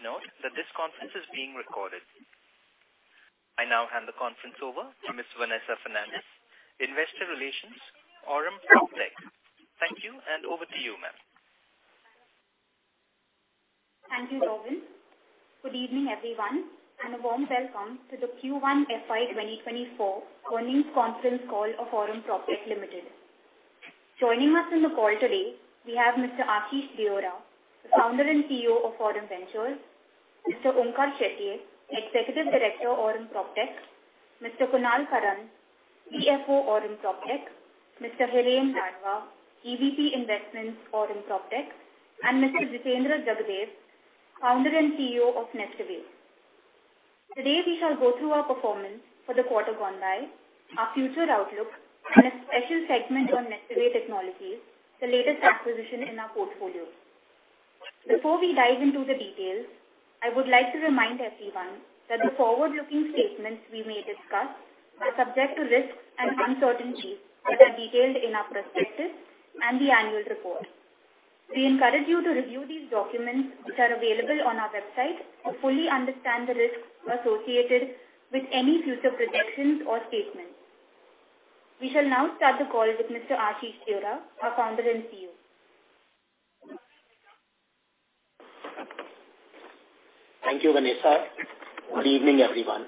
Please note that this conference is being recorded. I now hand the conference over to Miss Vanessa Fernandes, Investor Relations, Aurum PropTech. Thank you. Over to you, ma'am. Thank you, Robin. Good evening, everyone, and a warm welcome to the Q1 FY 2024 earnings conference call of Aurum PropTech Limited. Joining us on the call today, we have Mr. Ashish Deora, Founder and CEO of Aurum Ventures, Mr. Onkar Shetye, Executive Director, Aurum PropTech, Mr. Kunal Karan, CFO, Aurum PropTech, Mr. Hiren Ladva, EVP Investments, Aurum PropTech, and Mr. Jitendra Jagadev, Founder and CEO of NestAway. Today, we shall go through our performance for the quarter gone by, our future outlook, and a special segment on NestAway Technologies, the latest acquisition in our portfolio. Before we dive into the details, I would like to remind everyone that the forward-looking statements we may discuss are subject to risks and uncertainties that are detailed in our prospectus and the annual report. We encourage you to review these documents, which are available on our website, to fully understand the risks associated with any future projections or statements. We shall now start the call with Mr. Ashish Deora, our Founder and CEO. Thank you, Vanessa. Good evening, everyone.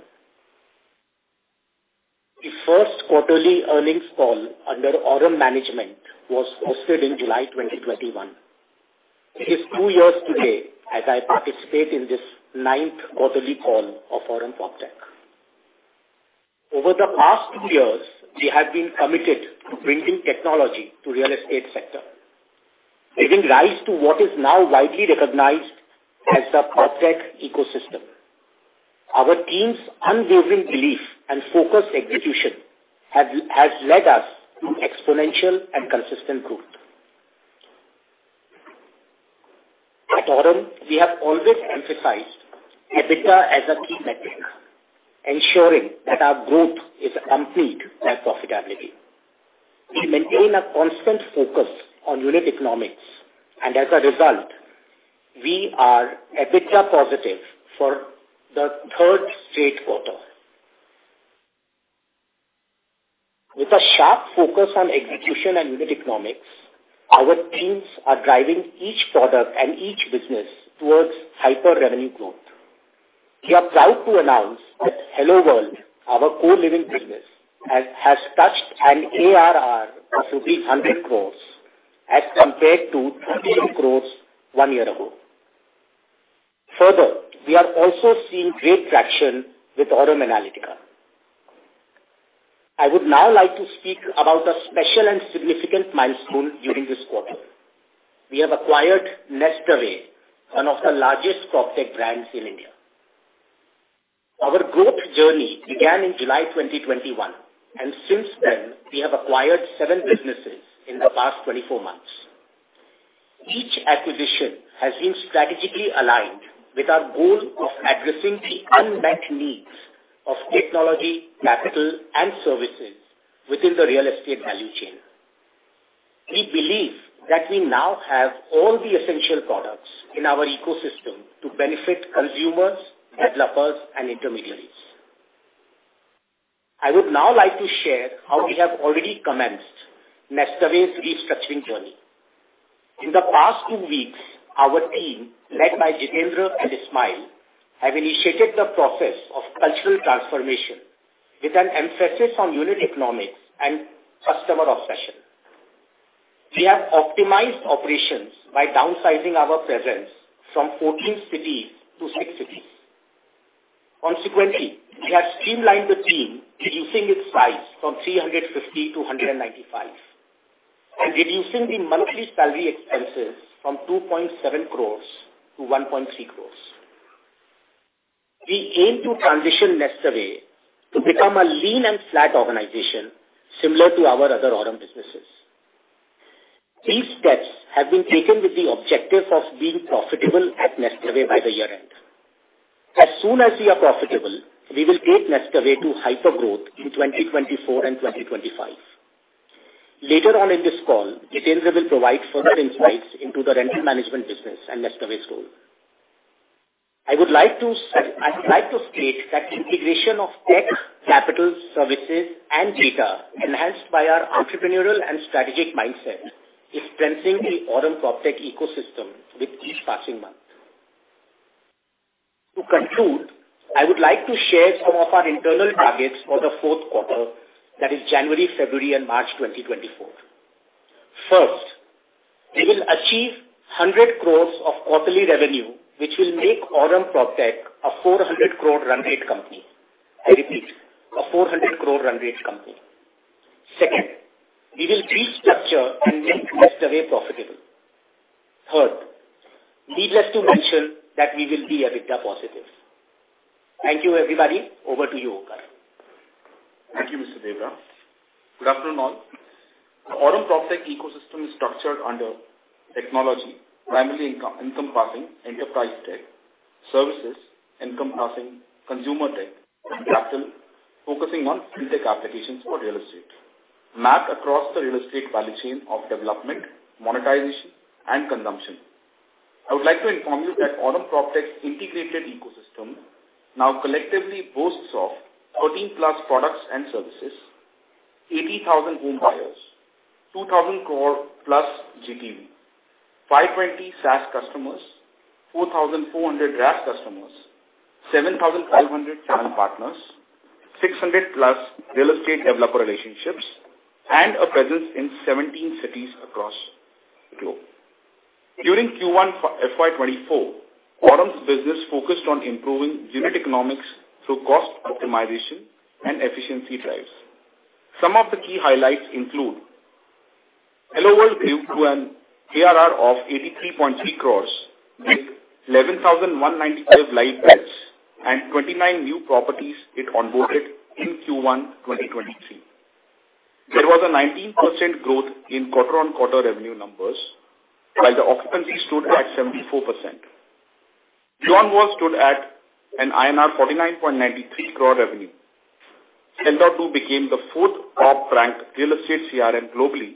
The first quarterly earnings call under Aurum management was hosted in July 2021. It is two years today as I participate in this ninth quarterly call of Aurum PropTech. Over the past two years, we have been committed to bringing technology to real estate sector, giving rise to what is now widely recognized as the PropTech ecosystem. Our team's unwavering belief and focused execution has led us to exponential and consistent growth. At Aurum, we have always emphasized EBITDA as a key metric, ensuring that our growth is complete and profitability. We maintain a constant focus on unit economics. As a result, we are EBITDA positive for the third straight quarter. With a sharp focus on execution and unit economics, our teams are driving each product and each business towards hyper revenue growth. We are proud to announce that HelloWorld, our co-living business, has touched an ARR of rupees 100 crore as compared to 22 crore one year ago. Further, we are also seeing great traction with Aurum Analytica. I would now like to speak about a special and significant milestone during this quarter. We have acquired NestAway, one of the largest PropTech brands in India. Our growth journey began in July 2021, and since then, we have acquired seven businesses in the past 24 months. Each acquisition has been strategically aligned with our goal of addressing the unmet needs of technology, capital, and services within the real estate value chain. We believe that we now have all the essential products in our ecosystem to benefit consumers, developers, and intermediaries. I would now like to share how we have already commenced NestAway's restructuring journey. In the past 2 weeks, our team, led by Jitendra and Ismail, have initiated the process of cultural transformation with an emphasis on unit economics and customer obsession. We have optimized operations by downsizing our presence from 14 cities to six cities. We have streamlined the team, reducing its size from 350 to 195, and reducing the monthly salary expenses from 2.7 crores to 1.3 crores. We aim to transition NestAway to become a lean and flat organization, similar to our other Aurum businesses. These steps have been taken with the objective of being profitable at NestAway by the year-end. As soon as we are profitable, we will take NestAway to hypergrowth in 2024 and 2025. Later on in this call, Jitendra will provide further insights into the rental management business and NestAway's role. I would like to state that integration of tech, capital, services, and data, enhanced by our entrepreneurial and strategic mindset, is strengthening the Aurum PropTech ecosystem with each passing month. To conclude, I would like to share some of our internal targets for the fourth quarter, that is January, February, and March 2024. First, we will achieve 100 crore of quarterly revenue, which will make Aurum PropTech a 400 crore run rate company. I repeat, a 400 crore run rate company. Second, we will restructure and make NestAway profitable. Third, needless to mention, that we will be EBITDA positive. Thank you, everybody. Over to you, Onkar. Thank you, Mr. Deora. Good afternoon, all. The Aurum PropTech ecosystem is structured under technology, primarily income, encompassing enterprise tech, services, encompassing consumer tech, and capital, focusing on FinTech applications for real estate. Map across the real estate value chain of development, monetization, and consumption. I would like to inform you that Aurum PropTech's integrated ecosystem now collectively boasts of 13+ products and services, 80,000 home buyers, 2,000 crore+ GDV, 520 SaaS customers, 4,400 RaaS customers, 7,500 channel partners, 600+ real estate developer relationships, and a presence in 17 cities across the globe. During Q1 FY 2024, Aurum's business focused on improving unit economics through cost optimization and efficiency drives. Some of the key highlights include: HelloWorld gave to an ARR of 83.3 crores, with 11,195 live beds and 29 new properties it onboarded in Q1 2023. There was a 19% growth in quarter-on-quarter revenue numbers, while the occupancy stood at 74%. BeyondWorld stood at an INR 49.93 crore revenue. Do became the fourth top-ranked real estate CRM globally,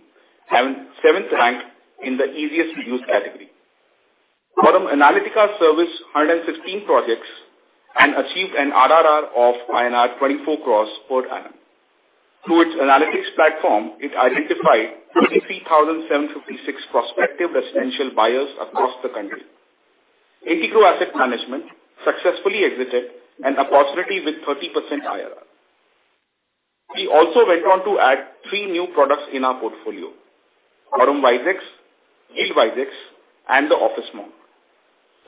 having seventh ranked in the easiest to use category. Aurum Analytica serviced 116 projects and achieved an RRR of INR 24 crores per annum. Through its analytics platform, it identified 33,756 prospective residential buyers across the country. Integrow Asset Management successfully exited an opportunity with 30% IRR. We also went on to add three new products in our portfolio, Aurum WiseX, YieldWiseX, and TheOfficeMonk.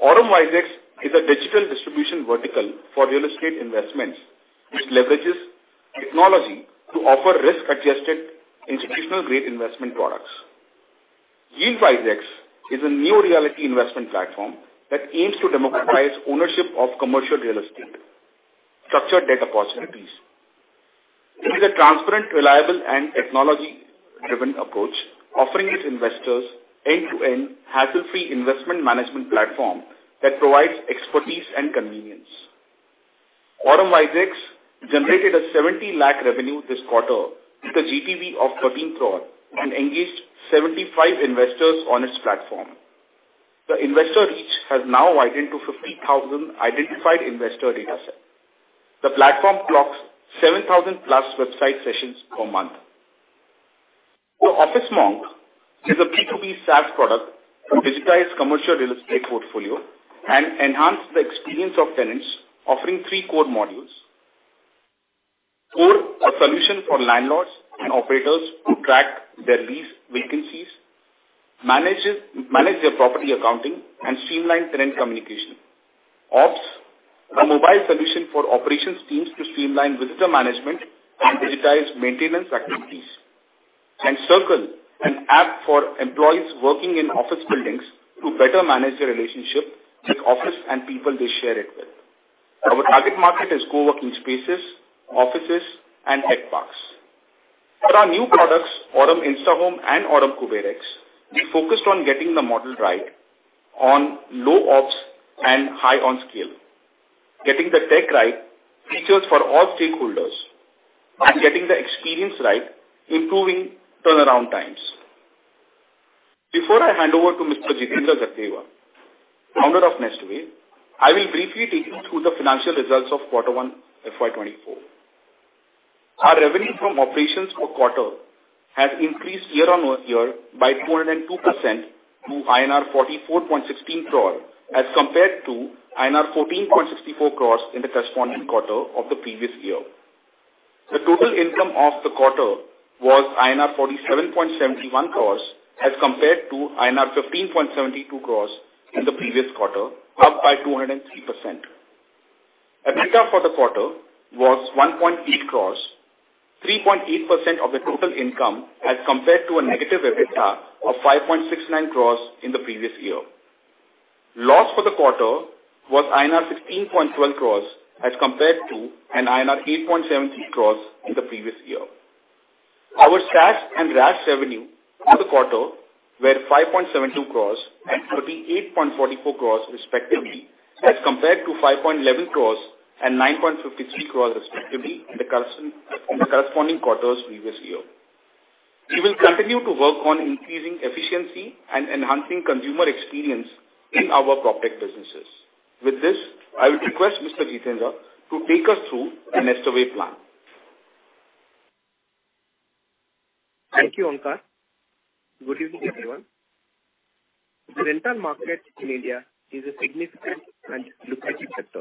Aurum WiseX is a digital distribution vertical for real estate investments, which leverages technology to offer risk-adjusted institutional-grade investment products. YieldWiseX is a neo-realty investment platform that aims to democratize ownership of commercial real estate, structured data possibilities. It is a transparent, reliable, and technology-driven approach, offering its investors end-to-end, hassle-free investment management platform that provides expertise and convenience. Aurum WiseX generated an 70 lakh revenue this quarter with a GDV of 13 crore and engaged 75 investors on its platform. The investor reach has now widened to 50,000 identified investor dataset. The platform clocks 7,000+ website sessions per month. TheOfficeMonk is a B2B SaaS product to digitize commercial real estate portfolio and enhance the experience of tenants, offering three core modules: Core, a solution for landlords and operators to track their lease vacancies, manage their property accounting, and streamline tenant communication. Ops, a mobile solution for operations teams to streamline visitor management and digitize maintenance activities. Circle, an app for employees working in office buildings to better manage their relationship with office and people they share it with. Our target market is co-working spaces, offices, and head parks. For our new products, Aurum InstaHome and Aurum KuberX, we focused on getting the model right on low ops and high on scale, getting the tech right, features for all stakeholders, and getting the experience right, improving turnaround times. Before I hand over to Mr. Jitendra Jagadev, founder of NestAway, I will briefly take you through the financial results of quarter one, FY 2024. Our revenue from operations per quarter has increased year-on-year by 202% to INR 44.16 crore, as compared to INR 14.64 crore in the corresponding quarter of the previous year. The total income of the quarter was INR 47.71 crores, as compared to INR 15.72 crores in the previous quarter, up by 203%. EBITDA for the quarter was 1.8 crores, 3.8% of the total income, as compared to a negative EBITDA of 5.69 crores in the previous year. Loss for the quarter was INR 16.12 crores, as compared to an INR 8.70 crores in the previous year. Our SaaS and RaaS revenue for the quarter were 5.72 crores and 38.44 crores respectively, as compared to 5.11 crores and 9.53 crores, respectively, in the corresponding quarters previous year. We will continue to work on increasing efficiency and enhancing consumer experience in our PropTech businesses. With this, I would request Mr. Jitendra to take us through the NestAway plan. Thank you, Onkar. Good evening, everyone. The rental market in India is a significant and lucrative sector,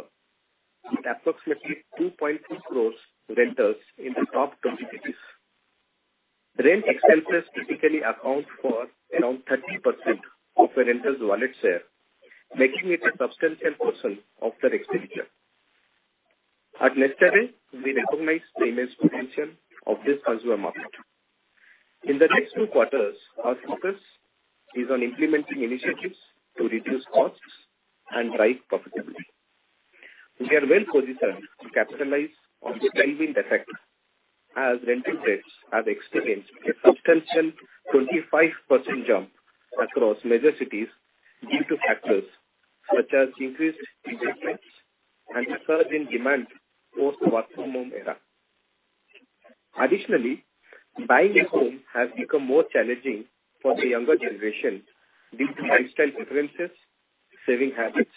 with approximately 2.4 crores renters in the top 20 cities. Rent expenses typically account for around 30% of a renter's wallet share, making it a substantial portion of their expenditure. At NestAway, we recognize the immense potential of this consumer market. In the next two quarters, our focus is on implementing initiatives to reduce costs and drive profitability. We are well-positioned to capitalize on the tailwind effect as renting rates have experienced a substantial 25% jump across major cities due to factors such as increased interest rates, and a surge in demand post work-from-home era. Additionally, buying a home has become more challenging for the younger generation due to lifestyle preferences, saving habits,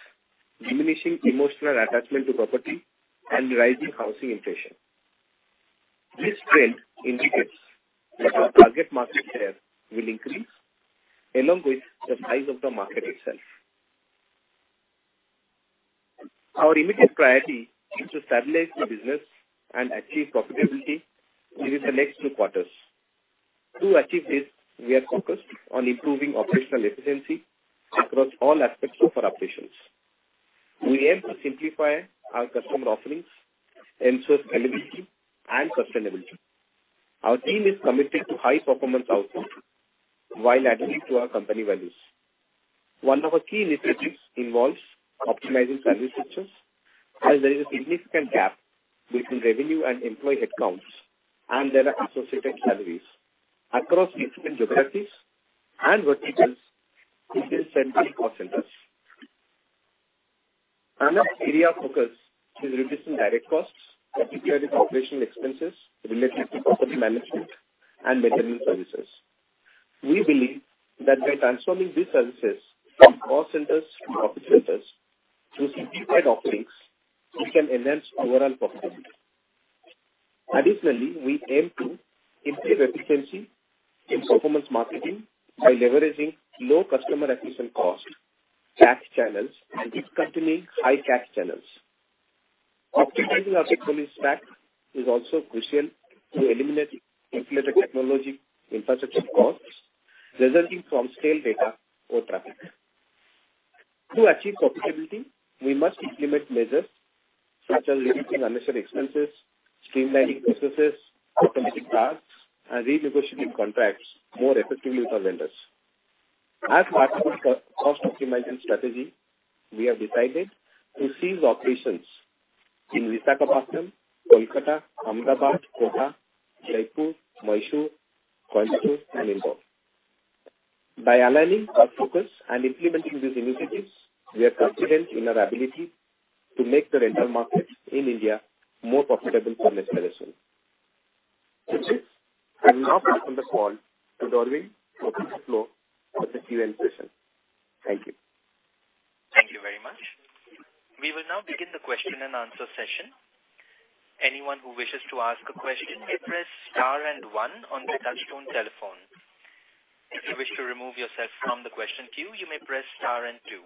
diminishing emotional attachment to property, and rising housing inflation. This trend indicates that our target market share will increase along with the size of the market itself. Our immediate priority is to stabilize the business and achieve profitability within the next two quarters. To achieve this, we are focused on improving operational efficiency across all aspects of our operations. We aim to simplify our customer offerings, ensure scalability and sustainability. Our team is committed to high-performance output while adhering to our company values. One of our key initiatives involves optimizing service structures, as there is a significant gap between revenue and employee headcounts, and there are associated salaries across different geographies and verticals in call centers. Another area of focus is reducing direct costs, particularly operational expenses related to property management and maintenance services. We believe that by transforming these services from call centers to office centers through simplified offerings, we can enhance overall profitability. Additionally, we aim to increase efficiency in performance marketing by leveraging low customer acquisition cost, tax channels, and accompanying high tax channels. Optimizing our technology stack is also crucial to eliminate inflated technology infrastructure costs resulting from stale data or traffic. To achieve profitability, we must implement measures such as reducing unnecessary expenses, streamlining processes, automating tasks, and renegotiating contracts more effectively with our vendors. As part of our cost optimization strategy, we have decided to cease operations in Visakhapatnam, Kolkata, Ahmedabad, Kota, Jaipur, Mysuru, Coimbatore, and Indore. By aligning our focus and implementing these initiatives, we are confident in our ability to make the rental markets in India more profitable for lessors and tenants. I will now open the call to Robin to open the floor for the Q&A session. Thank you. Thank you very much. We will now begin the question and answer session. Anyone who wishes to ask a question may press star and one on their touchtone telephone. If you wish to remove yourself from the question queue, you may press star and two.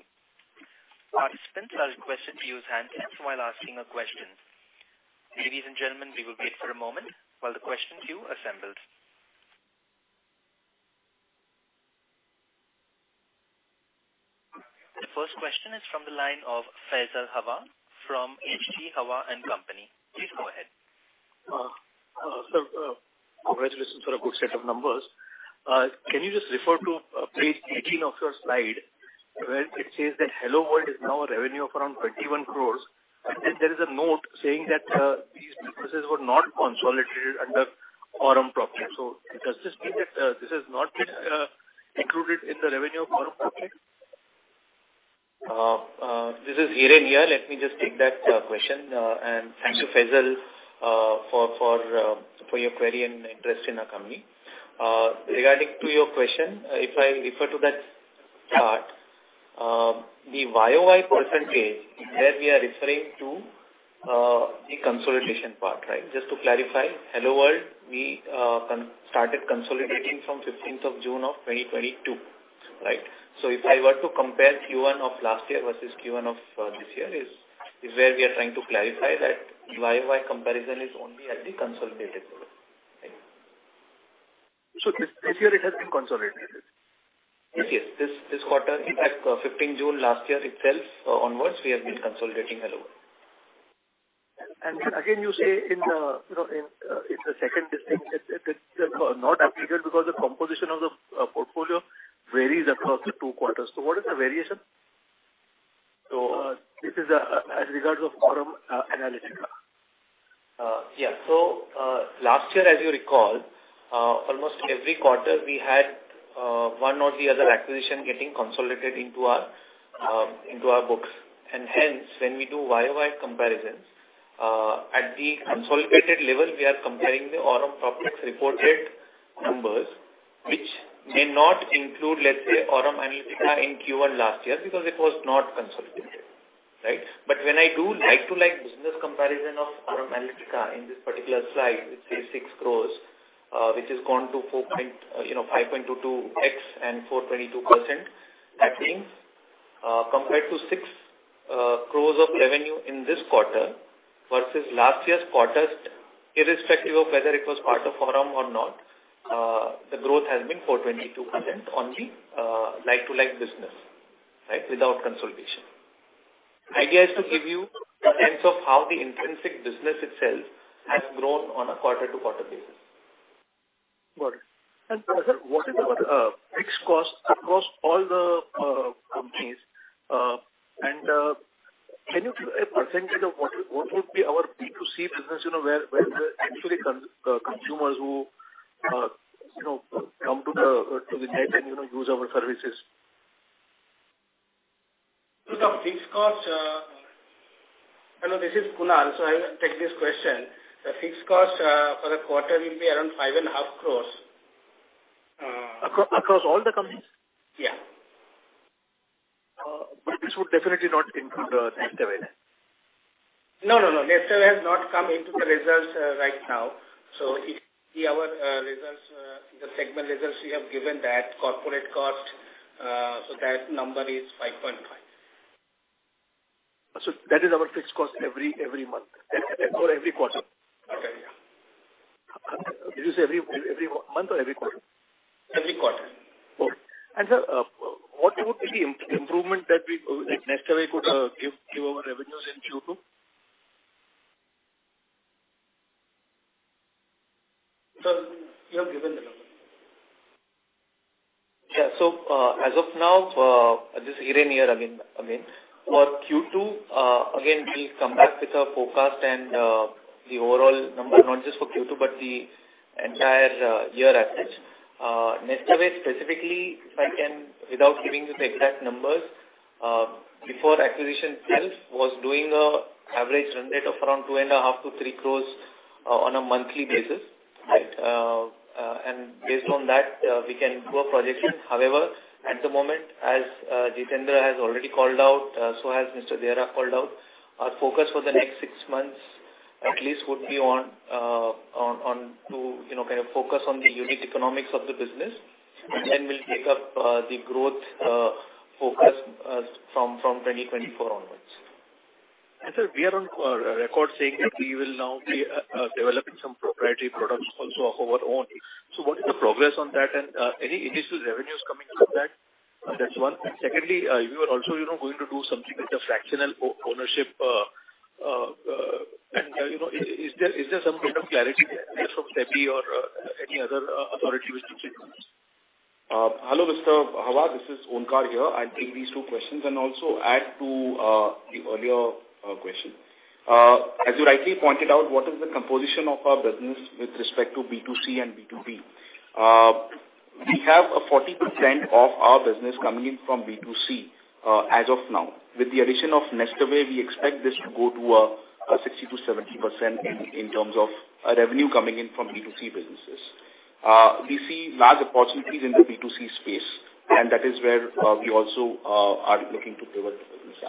Participants are requested to use hand hands while asking a question. Ladies and gentlemen, we will wait for a moment while the question queue assembles. The first question is from the line of Faisal Hawa from H G Hawa and Company. Please go ahead. Sir, congratulations for a good set of numbers. Can you just refer to page 18 of your slide, where it says that HelloWorld is now a revenue of around 21 crores, and there is a note saying that these businesses were not consolidated under Aurum Properties. Does this mean that this has not been included in the revenue of Aurum Properties?. Let me just take that question. And thank you, Faisal, for your query and interest in our company. Regarding your question, if I refer to that chart, the year-over-year percentage there we are referring to the consolidation part, right? Just to clarify, HelloWorld, we started consolidating from 15th of June of 2022, right? So if I were to compare Q1 of last year versus Q1 of this year, is where we are trying to clarify that year-over-year comparison is only at the consolidated level. Okay. This year it has been consolidated? Yes. This quarter, at 15 June last year itself onwards, we have been consolidating Hello. again, you say in the, you know, in the second distinction, it's not applicable because the composition of the portfolio varies across the two quarters. What is the variation? this is as regards of Aurum Analytica. Yeah. Last year, as you recall, almost every quarter we had one or the other acquisition getting consolidated into our books. Hence, when we do YOY comparisons at the consolidated level, we are comparing the Aurum Properties reported numbers, which may not include, let's say, Aurum Analytica in Q1 last year, because it was not consolidated, right? When I do like to like business comparison of Aurum Analytica in this particular slide, it's 36 crores, which has gone to you know, 5.22x and 4.2%. That means, compared to 6 crores of revenue in this quarter versus last year's quarters, irrespective of whether it was part of Aurum or not, the growth has been 4.22% on the like-to-like business, right? Without consolidation. Idea is to give you a sense of how the intrinsic business itself has grown on a quarter-to-quarter basis. Got it. sir, what is our fixed cost across all the companies? can you give a % of what would be our B2C business, you know, where actually consumers who, you know, come to the net and, you know, use our services? Hello, this is Kunal. I will take this question. The fixed costs for the quarter will be around five and a half crores. across all the companies? Yeah. This would definitely not include, NestAway, right? No, no. NestAway has not come into the results right now. If our results, the segment results, we have given that corporate cost, so that number is 5.5. That is our fixed cost every month or every quarter? Okay, yeah. Is this every month or every quarter? Every quarter. Okay. sir, what would be the improvement that we, like, NestAway could give our revenues in Q2? Sir, you have given the number. As of now, this is Hiren, I mean, for Q2, again, we'll come back with a forecast and the overall number, not just for Q2, but the entire year average. NestAway specifically, if I can, without giving you the exact numbers, before acquisition itself was doing a average run rate of around 2.5-3 crores on a monthly basis. Based on that, we can do a projection. However, at the moment, as Jitendra has already called out, so has Mr. Deora called out, our focus for the next six months at least would be on to, you know, kind of focus on the unit economics of the business. Then we'll take up the growth focus from 2024 onwards. Sir, we are on record saying that we will now be developing some proprietary products also of our own. What is the progress on that? Any initial revenues coming from that? That's one. Secondly, you are also, you know, going to do something with the fractional ownership, and, you know, is there some kind of clarity there from SEBI or any other authority which you check on this? Hello, Mr. Hawa. This is Onkar here. I'll take these two questions and also add to the earlier question. As you rightly pointed out, what is the composition of our business with respect to B2C and B2B? We have a 40% of our business coming in from B2C as of now. With the addition of NestAway, we expect this to go to a 60%-70% in terms of a revenue coming in from B2C businesses. We see large opportunities in the B2C space, and that is where we also are looking to pivot the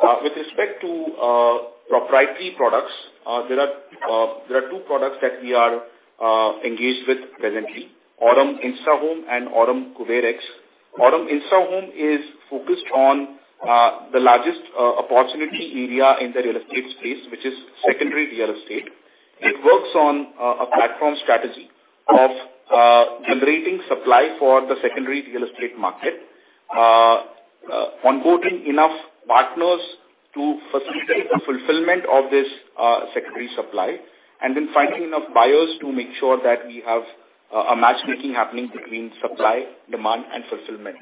business at. With respect to proprietary products, there are two products that we are engaged with presently, Aurum InstaHome and Aurum KuberX. Aurum InstaHome is focused on the largest opportunity area in the real estate space, which is secondary real estate. It works on a platform strategy of generating supply for the secondary real estate market, onboarding enough partners to facilitate the fulfillment of this secondary supply, and then finding enough buyers to make sure that we have a matchmaking happening between supply, demand, and fulfillment.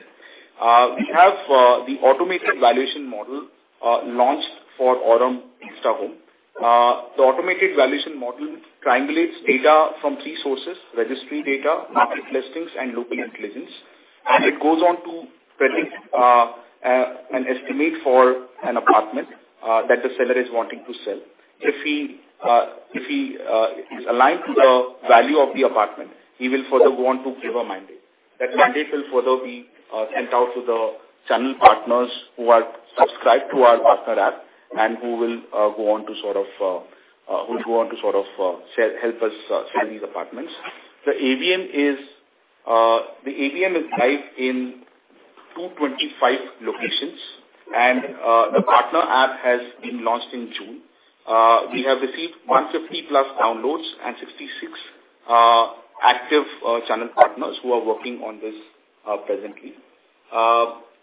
We have the automated valuation model launched for Aurum InstaHome. The automated valuation model triangulates data from three sources: registry data, market listings, and local intelligence. It goes on to predict an estimate for an apartment that the seller is wanting to sell. If he is aligned to the value of the apartment, he will further go on to give a mandate. That mandate will further be sent out to the channel partners who are subscribed to our partner app and who will go on to sort of sell, help us sell these apartments. The AVM is live in 225 locations. The partner app has been launched in June. We have received 150+ downloads and 66 active channel partners who are working on this presently.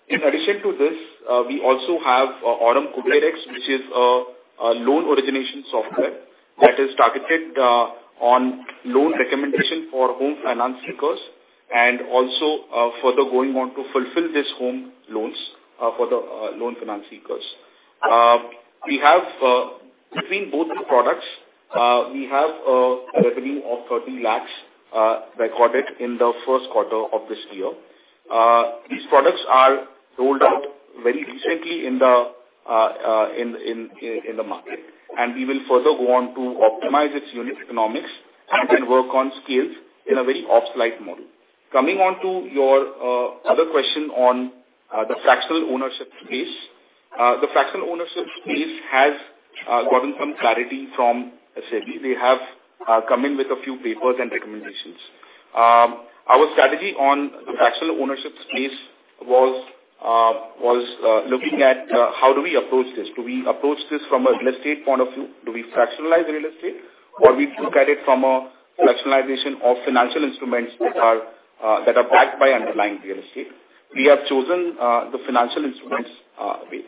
In addition to this, we also have Aurum KuberX, which is a loan origination software that is targeted on loan recommendation for home finance seekers, and also further going on to fulfill this home loans for the loan finance seekers. We have, between both the products, we have a revenue of 30 lakhs recorded in the first quarter of this year. These products are rolled out very recently in the market, and we will further go on to optimize its unit economics and work on scales in a very ops-like model. Coming on to your other question on the fractional ownership space. The fractional ownership space has gotten some clarity from SEBI. They have come in with a few papers and recommendations. Our strategy on the fractional ownership space was looking at how do we approach this? Do we approach this from a real estate point of view? Do we fractionalize real estate, or we look at it from a fractionalization of financial instruments that are backed by underlying real estate? We have chosen the financial instruments way.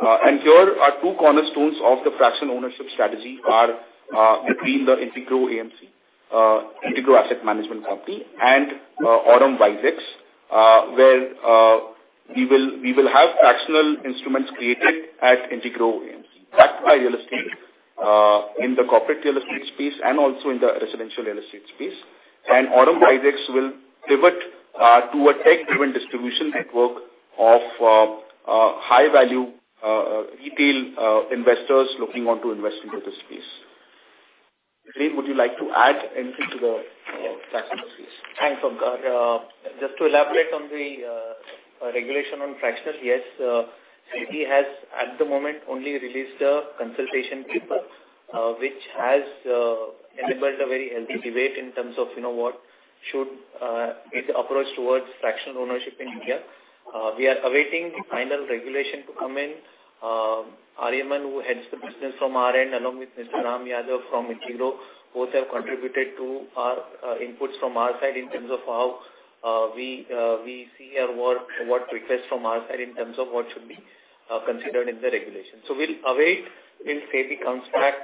Here are two cornerstones of the fractional ownership strategy are between the Integrow AMC, Integrow Asset Management Company, and Aurum WiseX, where we will have fractional instruments created at Integrow AMC, backed by real estate. In the corporate real estate space and also in the residential real estate space. Aurum WiseX will pivot to a tech-driven distribution network of high value retail investors looking on to invest into this space. Prem, would you like to add anything to the fractional space? Thanks, Onkar. Just to elaborate on the regulation on fractional. Yes, SEBI has, at the moment, only released a consultation paper, which has enabled a very healthy debate in terms of, you know, what should be the approach towards fractional ownership in India. We are awaiting the final regulation to come in. RMN, who heads the business from our end, along with Mr. Ram Yadav from Integrow, both have contributed to our inputs from our side in terms of how we see or what requests from our side in terms of what should be considered in the regulation. We'll await till SEBI comes back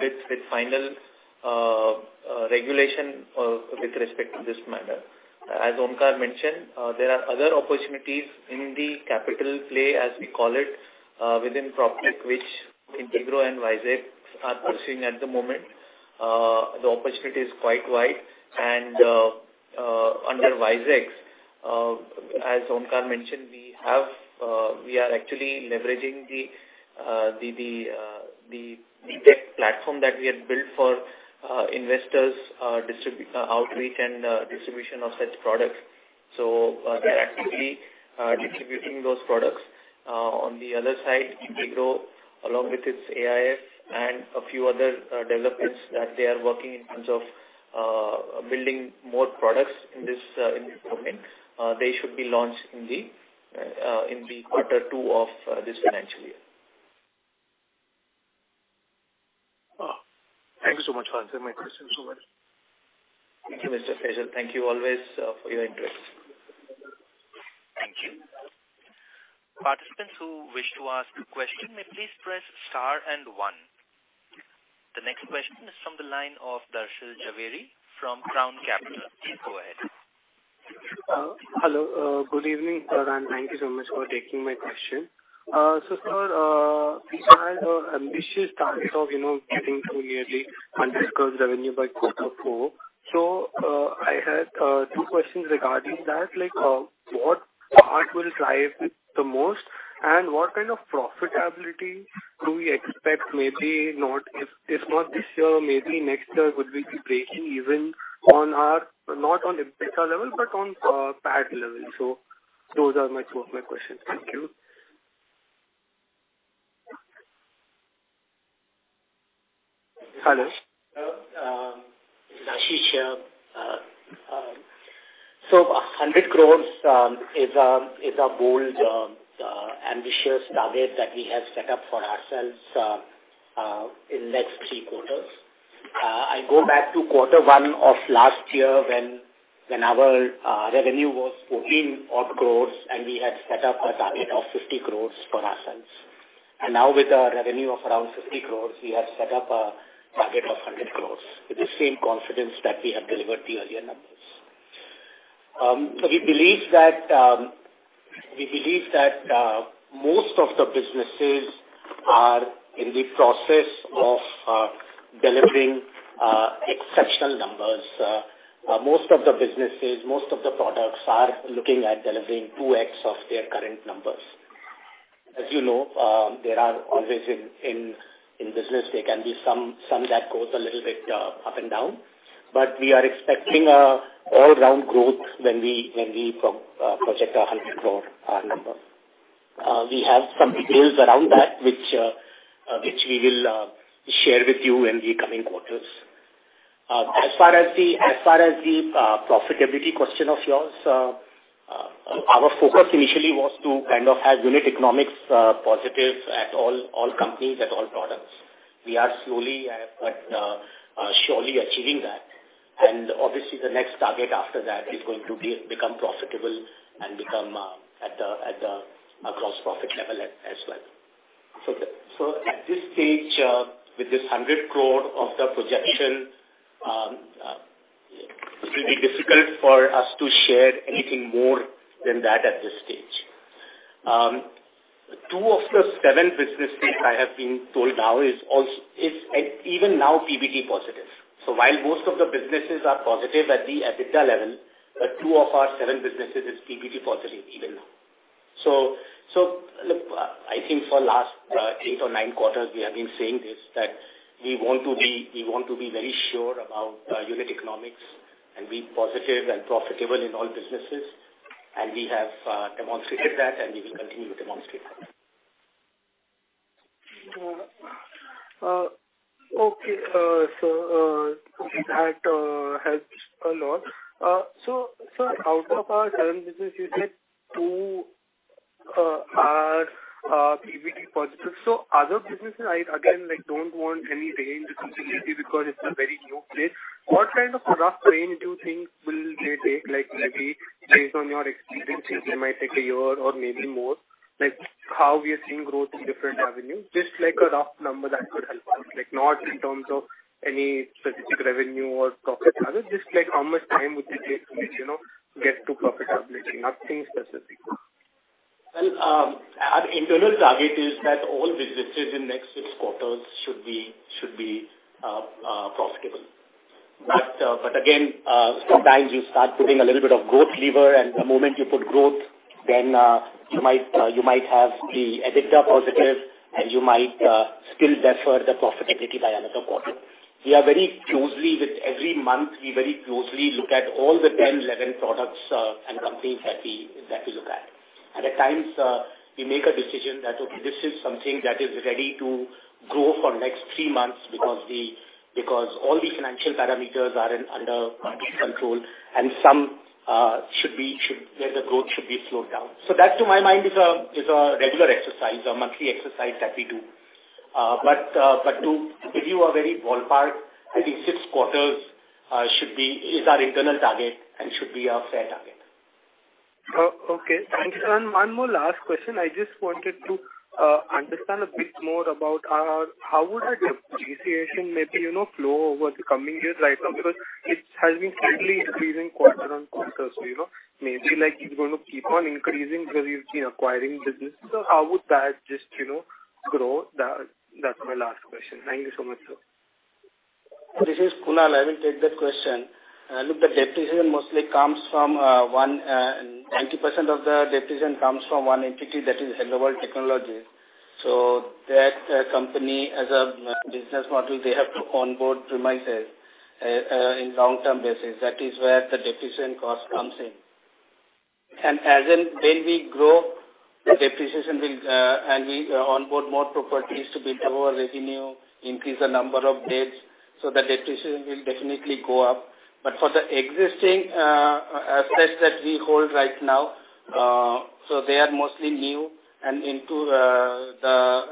with the final regulation with respect to this matter. As Onkar mentioned, there are other opportunities in the capital play, as we call it, within PropTech, which Integrow and WiseX are pursuing at the moment. The opportunity is quite wide, and under WiseX, as Onkar mentioned, we have, we are actually leveraging the tech platform that we had built for investors, outreach and distribution of such products. We are actively distributing those products. On the other side, Integrow, along with its AIF and a few other developments that they are working in terms of building more products in this domain, they should be launched in the quarter two of this financial year. Oh, thank you so much for answering my questions so well. Thank you, Mr. Faisal. Thank you always for your interest. Thank you. Participants who wish to ask a question may please press star and one. The next question is from the line of Darshan Jhaveri from Crown Capital. Please go ahead. Hello. Good evening, sir, thank you so much for taking my question. Sir, you had an ambitious target of, you know, getting to nearly INR 100 crores revenue by quarter four. I had two questions regarding that. Like, what part will drive it the most, what kind of profitability do we expect? Maybe not if not this year, maybe next year, would we be breaking even on our not on EBITDA level, but on PAT level? Those are my two of my questions. Thank you. Hello, Ashish, 100 crores is a bold ambitious target that we have set up for ourselves in next three quarters. I go back to quarter one of last year when our revenue was 14 odd crores, and we had set up a target of 50 crores for ourselves. Now with a revenue of around 50 crores, we have set up a target of 100 crores, with the same confidence that we have delivered the earlier numbers. We believe that we believe that most of the businesses are in the process of delivering exceptional numbers. Most of the businesses, most of the products are looking at delivering 2x of their current numbers. As you know, there are always in business, there can be some that goes a little bit up and down, but we are expecting a all-round growth when we project a 100 crore number. We have some details around that, which we will share with you in the coming quarters. As far as the profitability question of yours, our focus initially was to kind of have unit economics positive at all companies, at all products. We are slowly but surely achieving that. Obviously, the next target after that is going to be, become profitable and become at the across profit level as well. At this stage, with this 100 crore of the projection, it will be difficult for us to share anything more than that at this stage. Two of the seven businesses I have been told now is even now PBT positive. While most of the businesses are positive at the EBITDA level, two of our seven businesses is PBT positive even now. Look, I think for last eight or 9 quarters, we have been saying this, that we want to be very sure about unit economics and be positive and profitable in all businesses, and we have demonstrated that, and we will continue to demonstrate that. Okay. That helps a lot. Sir, out of our seven businesses, you said two are PBT positive. Other businesses, I again, like, don't want any range specifically because it's a very new place. What kind of rough range do you think will they take? Like, maybe based on your experience, it might take 1 year or maybe more. Like, how we are seeing growth in different avenues? Just like a rough number that could help us, like, not in terms of any specific revenue or profit. Just like, how much time would you take to, you know, get to profitability? Nothing specific. Well, our internal target is that all businesses in next six quarters should be profitable. Again, sometimes you start putting a little bit of growth lever, and the moment you put growth, then you might have the EBITDA positive, and you might still defer the profitability by another quarter. We are very closely with every month, we very closely look at all the 10, 11 products and companies that we look at. At times, we make a decision that, okay, this is something that is ready to grow for next 3 months because all the financial parameters are under control, and some where the growth should be slowed down. That, to my mind, is a regular exercise, a monthly exercise that we do. But to give you a very ballpark, I think six quarters should be, is our internal target and should be our fair target. Oh, okay. Thank you. One more last question. I just wanted to understand a bit more about how would the depreciation maybe, you know, flow over the coming years, right? Because it has been slightly increasing quarter-on-quarter. You know, maybe like it's going to keep on increasing because you've been acquiring business. How would that just, you know, grow? That's my last question. Thank you so much, sir. This is Kunal. I will take that question. Look, the depreciation mostly comes from 90% of the depreciation comes from one entity that is HelloWorld Technologies. That company as a business model, they have to onboard premises in long-term basis. That is where the depreciation cost comes in. As in when we grow, the depreciation will, and we onboard more properties to be lower revenue, increase the number of debts, the depreciation will definitely go up. For the existing space that we hold right now, they are mostly new and into the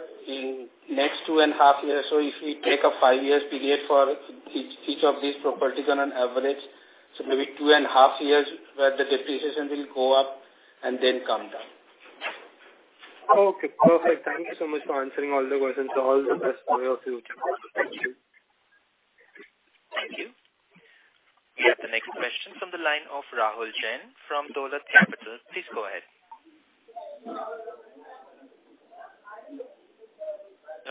next 2.5 years. If we take a five-year period for each of these properties on an average, so maybe two and a half years, where the depreciation will go up and then come down. Okay, perfect. Thank you so much for answering all the questions. All the best to all of you. Thank you. Thank you. We have the next question from the line of Rahul Jain from Dolat Capital. Please go ahead.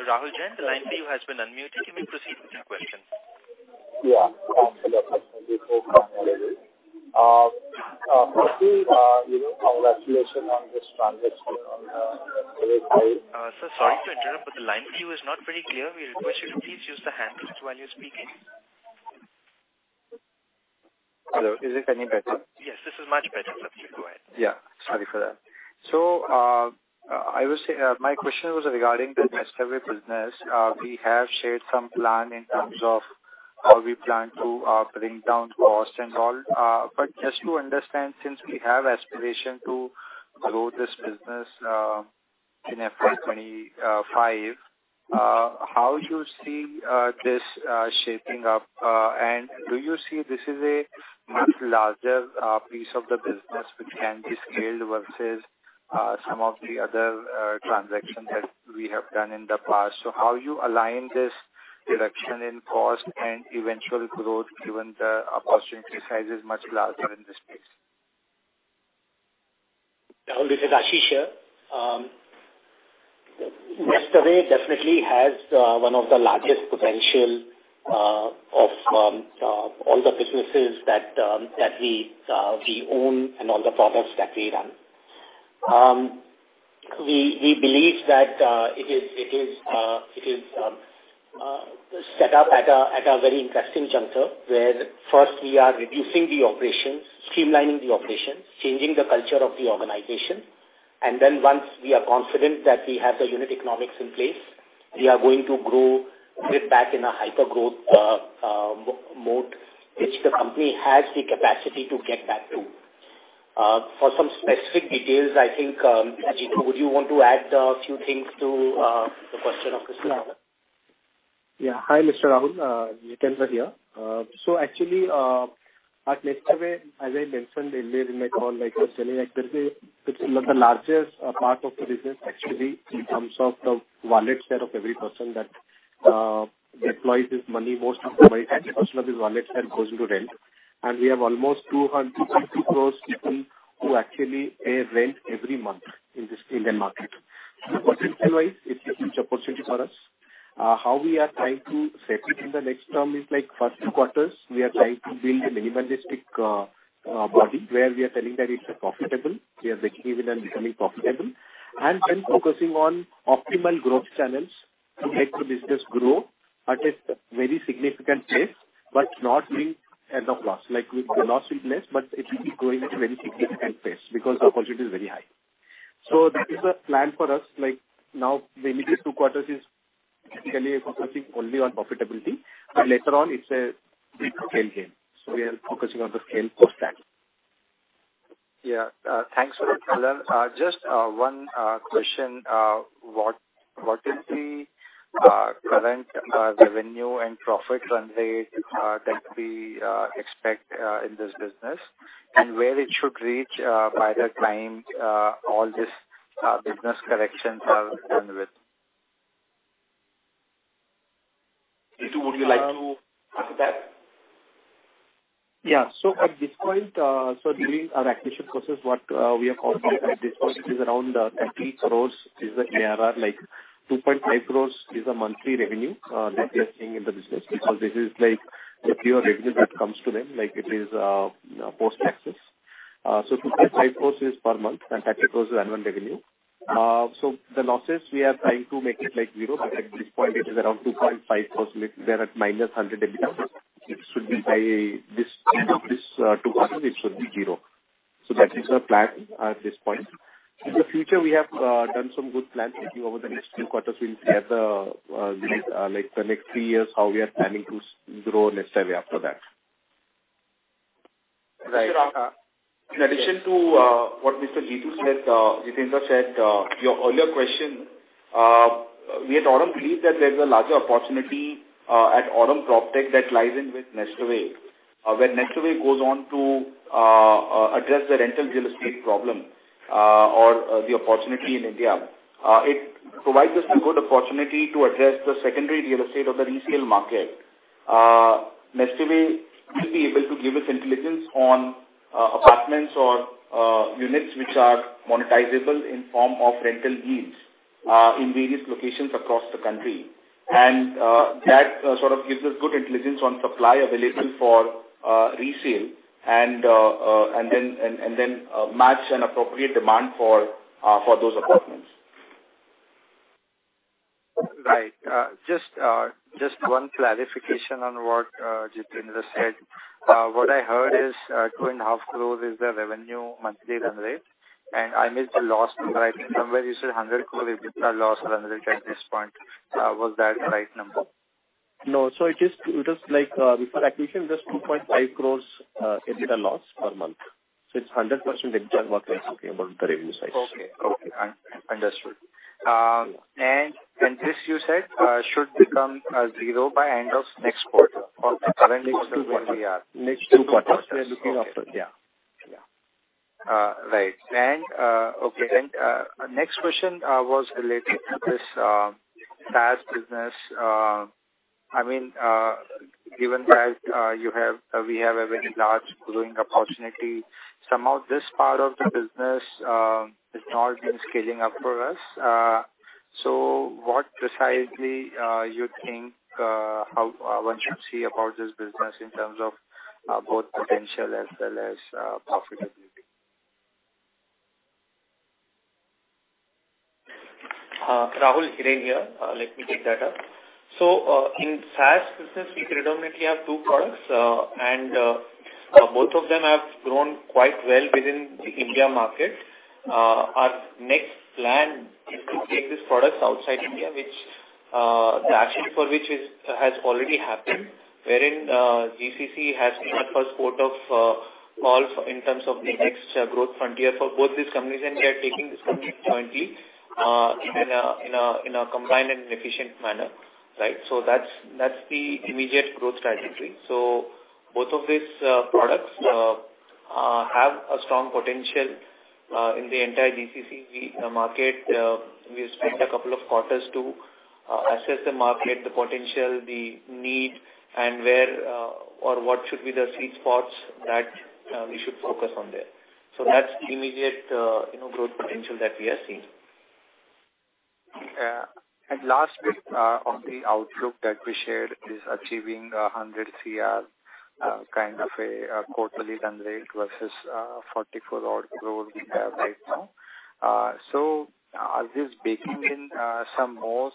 Rahul Jain, the line for you has been unmuted. You may proceed with your question. Yeah, absolutely. Firstly, you know, congratulations on this transaction on NestAway. Sir, sorry to interrupt, but the line for you is not very clear. We request you to please use the handset while you're speaking. Hello, is it any better? Yes, this is much better. Please go ahead. Yeah, sorry for that. I would say my question was regarding the NestAway business. We have shared some plan in terms of how we plan to bring down costs and all. Just to understand, since we have aspiration to grow this business in FY 2025, how you see this shaping up? Do you see this is a much larger piece of the business which can be scaled versus some of the other transactions that we have done in the past? How you align this reduction in cost and eventual growth, given the opportunity size is much larger in this space? Rahul, this is Ashish here. NestAway definitely has one of the largest potential of all the businesses that we own and all the products that we run. We believe that it is set up at a very interesting juncture, where first we are reducing the operations, streamlining the operations, changing the culture of the organization. Once we are confident that we have the unit economics in place, we are going to grow it back in a hyper-growth mode, which the company has the capacity to get back to. For some specific details, I think, Jiten, would you want to add a few things to the question of Rahul? Hi, Mr. Rahul Jain, Jiten here. Actually, at NestAway, as I mentioned earlier in the call, like I was telling, it's one of the largest part of the business actually, in terms of the wallet share of every person that deploys his money. Most of the money, actually, personal wallet share goes into rent. We have almost 250 crores people who actually pay rent every month in this, in the market. Potentially, it's a huge opportunity for us. How we are trying to set it in the next term is like first 2 quarters, we are trying to build a minimalistic body, where we are telling that it's profitable. We are breaking even and becoming profitable, and then focusing on optimal growth channels to make the business grow at a very significant pace, but not being at a loss. Like, with the loss will be less, but it will be growing at a very significant pace because the opportunity is very high. That is a plan for us, like, now the immediate two quarters is technically focusing only on profitability, but later on it's a big scale game. We are focusing on the scale of that. Yeah, thanks a lot. Just one question, what is the current Revenue Run Rate and profit run rate that we expect in this business? Where it should reach by the time all this business corrections are done with? Jiten, would you like to answer that? At this point, during our acquisition process, what, we have called out at this point is around, 30 crores is the ARR, like 2.5 crores is a monthly revenue, that we are seeing in the business, because this is like the pure revenue that comes to them, like it is, post-taxes. INR 2.5 crores is per month, and INR 30 crores is annual revenue. The losses, we are trying to make it like zero, but at this point it is around 2.5 crores. We are at -100 million. It should be by this, 2 quarters, it should be zero. That is our plan at this point. In the future, we have, done some good plans. I think over the next few quarters, we'll share the, like the next three years, how we are planning to grow NestAway after that. Right. In addition to what Mr. Jiten said, Jitendra said, your earlier question, we at Aurum believe that there is a larger opportunity at Aurum PropTech that lies in with NestAway. When NestAway goes on to address the rental real estate problem or the opportunity in India, it provides us a good opportunity to address the secondary real estate or the resale market. NestAway will be able to give us intelligence on apartments or units which are monetizable in form of rental yields in various locations across the country. That sort of gives us good intelligence on supply available for resale and then match an appropriate demand for those apartments. Right. just one clarification on what Jitendra said. What I heard is 2.5 crores is the revenue monthly run rate, and I missed the loss number. I think somewhere you said 100 crore EBITDA loss run rate at this point. Was that the right number? No. It is like, before acquisition, just 2.5 crores EBITDA loss per month. It's 100% EBITDA basically about the revenue side. Okay, understood. This you said should become zero by end of next quarter or the current quarter that we are? Next two quarters. We are looking after, yeah. Yeah. Right. Okay, then, next question was related to this SaaS business. I mean, given that we have a very large growing opportunity, somehow this part of the business has not been scaling up for us. What precisely you think, how one should see about this business in terms of both potential as well as profitability? Rahul, Hiren here. Let me take that up. In SaaS business, we predominantly have two products, both of them have grown quite well within the India market. Our next plan is to take this product outside India, which the action for which has already happened, wherein GCC has been our first port of call in terms of the next growth frontier for both these companies, we are taking this company jointly in a combined and efficient manner, right? That's the immediate growth trajectory. Both of these products have a strong potential in the entire GCC market. We spent a couple of quarters to assess the market, the potential, the need, and where or what should be the sweet spots that we should focus on there. That's the immediate, you know, growth potential that we are seeing. Last bit on the outlook that we shared is achieving 100 CR kind of a quarterly run rate versus 44 odd growth we have right now. This baking in some more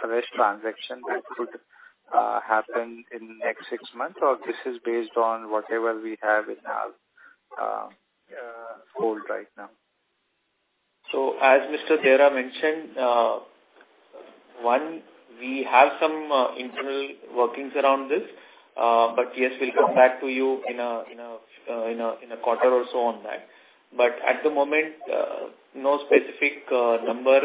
fresh transaction that could happen in the next six months, or this is based on whatever we have in our hold right now? As Mr. Deora mentioned, one, we have some internal workings around this, but yes, we'll come back to you in a quarter or so on that. At the moment, no specific number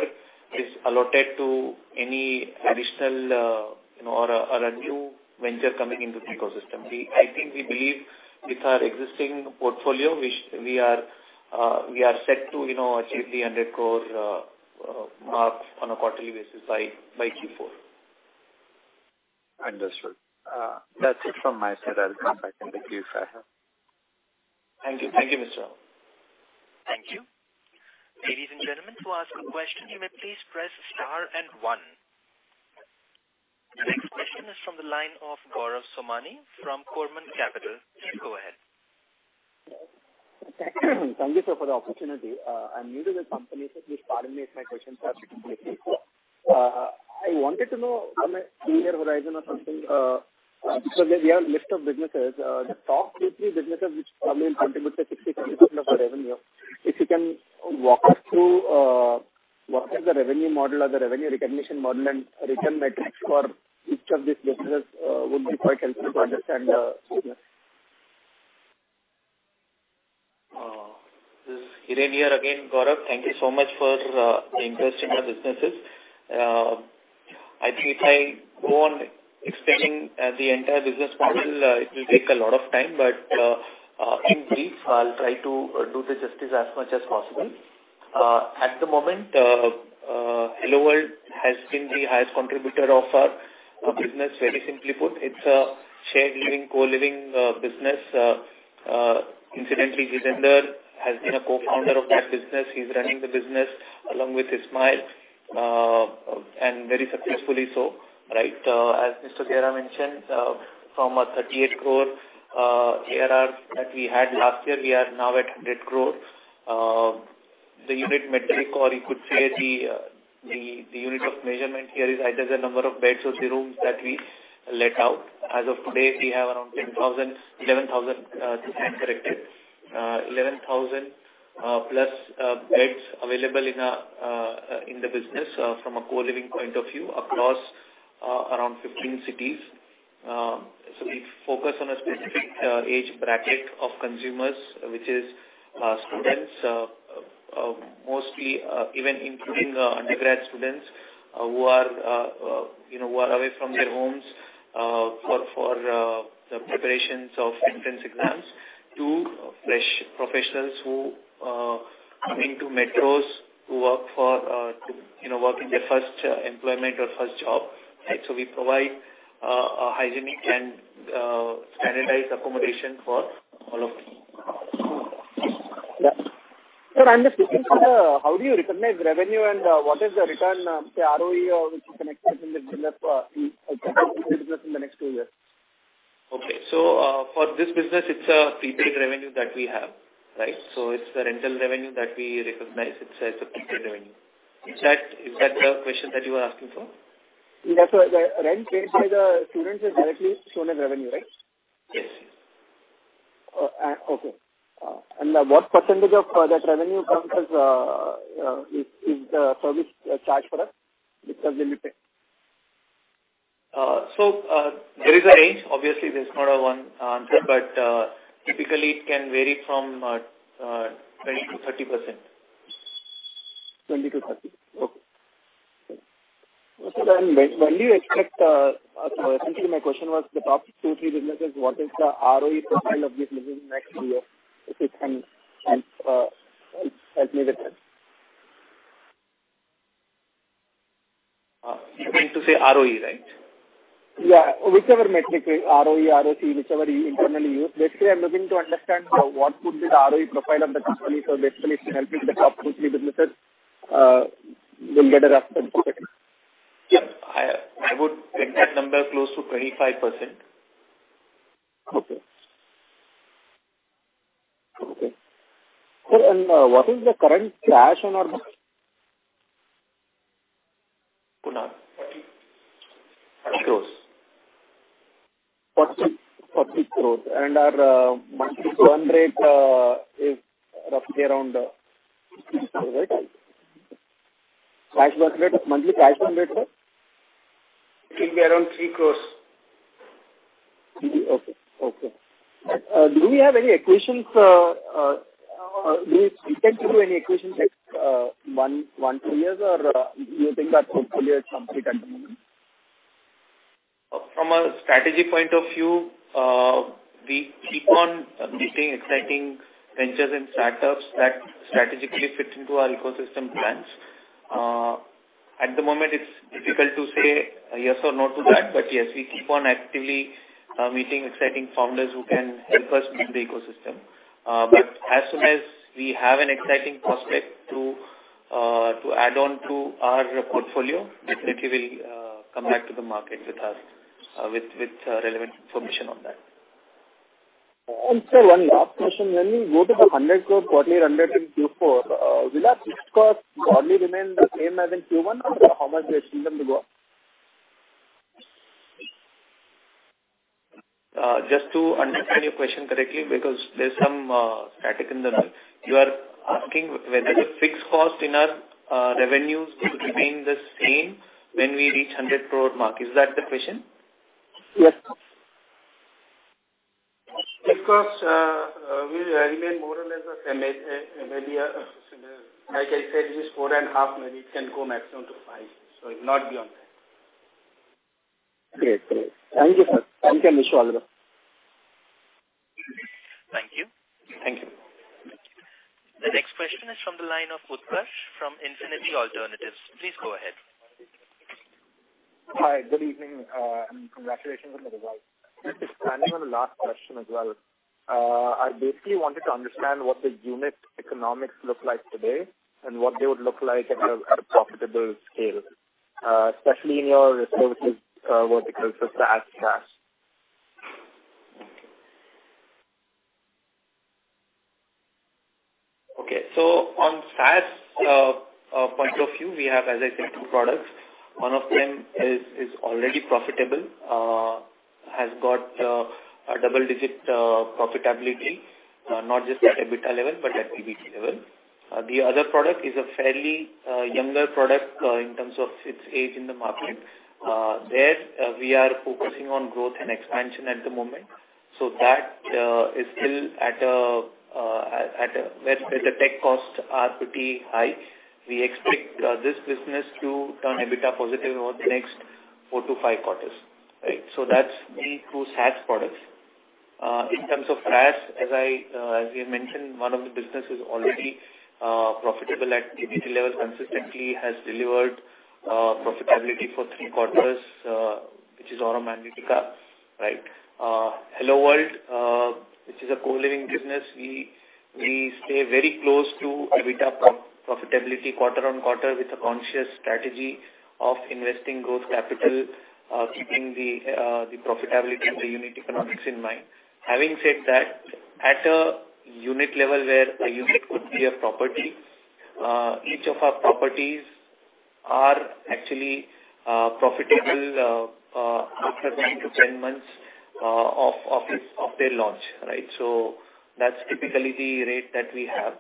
is allotted to any additional, you know, or a, or a new venture coming into the ecosystem. I think we believe with our existing portfolio, which we are, we are set to, you know, achieve the 100 crores mark on a quarterly basis by Q4. Understood. That's it from my side. I'll come back in the queue if I have. Thank you. Thank you, Mr. Rahul. Thank you. Ladies and gentlemen, to ask a question, you may please press star and one. The next question is from the line of Gaurav Somani from Korman Capital. Please go ahead. Thank you, sir, for the opportunity. I'm new to this company, so please pardon me if my questions are repetitive. I wanted to know from a three-year horizon or something. You have a list of businesses, the top three businesses which probably contribute to 60% of the revenue. If you can walk us through, what is the revenue model or the revenue recognition model and return metrics for each of these businesses, would be quite helpful to understand. This is Hiren here again, Gaurav. Thank you so much for the interest in our businesses. I think if I go on explaining the entire business model, it will take a lot of time, but in brief, I'll try to do the justice as much as possible. At the moment, HelloWorld has been the highest contributor of our business. Very simply put, it's a shared living, co-living business. Incidentally, Jitendra has been a co-founder of that business. He's running the business along with Ismail and very successfully so, right? As Mr. Deora mentioned, from a 38 crore ARR that we had last year, we are now at 100 crores. The unit metric, or you could say the unit of measurement here is either the number of beds or the rooms that we let out. As of today, we have around 10,000, 11,000, stand corrected. 11,000 plus beds available in the business from a co-living point of view, across around 15 cities. We focus on a specific age bracket of consumers, which is students, mostly, even including undergrad students, who are, you know, who are away from their homes for the preparations of entrance exams, to fresh professionals who coming to metros, who work for, you know, working their first employment or first job. Right. We provide, a hygienic and, standardized accommodation for all of them. Sir, I'm just looking for the how do you recognize revenue and what is the return, say, ROE, or which you can expect in the business in the next two years? For this business, it's a prepaid revenue that we have, right? It's the rental revenue that we recognize. It's a prepaid revenue. Is that the question that you are asking for? Yes, sir. The rent paid by the students is directly shown as revenue, right? Yes. okay. What % of that revenue comes as, is the service, charged for that? Because they'll be paid. There is a range. Obviously, there's not a one answer, but typically it can vary from 20%-30%. 20%-30%. Okay. When do you expect, Actually, my question was the top two, three businesses, what is the ROE profile of this business next year? If you can help me with that. You mean to say ROE, right? Yeah. Whichever metric, ROE, ROC, whichever you internally use. Basically, I'm looking to understand what would be the ROE profile of the company. Basically, if you can help me with the top two, three businesses, we'll get a rough sense of it. Yeah. I would think that number close to 25%. Okay. Okay. Sir, what is the current cash on our books? Kunal? INR 30 crores. INR 30 crores. Our monthly burn rate is roughly around, right? Cash burn rate, monthly cash burn rate, sir. It will be around INR 3 crores. Okay. Okay. Do we have any acquisitions, do you expect to do any acquisitions like one-two years, or do you think our portfolio is complete at the moment? From a strategy point of view, we keep on meeting exciting ventures and startups that strategically fit into our ecosystem plans. At the moment, it's difficult to say yes or no to that, but yes, we keep on actively meeting exciting founders who can help us build the ecosystem. As soon as we have an exciting prospect to add on to our portfolio, definitely we'll come back to the market with us, with relevant information on that. Sir, one last question. When you go to the INR 100 crore quarterly, INR 100 in Q4, will our fixed costs broadly remain the same as in Q1, or how much we expect them to go up? Just to understand your question correctly, because there's some static in the mix. You are asking whether the fixed cost in our revenues will remain the same when we reach 100 crore mark. Is that the question? Yes, sir. We remain more or less the same. Like I said, it is 4.5 million. It can go maximum to 5 million. It will not be on that. Great, great. Thank you, sir. Thank you, Nishu Alagh. Thank you. Thank you. The next question is from the line of Utkarsh, from Infinity Alternatives. Please go ahead. Hi, good evening. Congratulations on the result. Just expanding on the last question as well. I basically wanted to understand what the unit economics look like today and what they would look like at a profitable scale, especially in your services verticals, the SaaS cash. On SaaS point of view, we have, as I said, two products. One of them is already profitable, has got a double-digit profitability, not just at EBITDA level, but at EBT level. The other product is a fairly younger product in terms of its age in the market. There, we are focusing on growth and expansion at the moment. That is still at a where the tech costs are pretty high. We expect this business to turn EBITDA positive over the next 4-5 quarters. That's the two SaaS products. In terms of RAAS, as I, as we had mentioned, one of the business is already profitable at EBITDA level, consistently has delivered profitability for three quarters, which is Aurum Analytica. HelloWorld, which is a co-living business, we stay very close to EBITDA pro-profitability quarter on quarter with a conscious strategy of investing growth capital, keeping the profitability of the unit economics in mind. Having said that, at a unit level, where a unit could be a property, each of our properties are actually profitable after 10 to 10 months of their launch, right? That's typically the rate that we have.